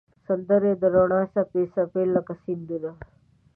سندرې د روڼا څپې، څپې لکه سیندونه